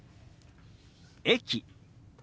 「駅」。